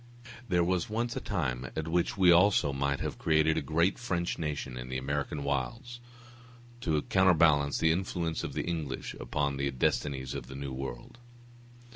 There was once a time at which we also might have created a great French nation in the American wilds, to counterbalance the influence of the English upon the destinies of the New World.